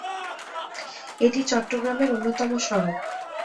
এটি চট্টগ্রামের অন্যতম সড়ক।